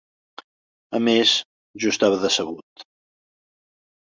A més, jo estava decebut.